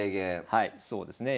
はいそうですね。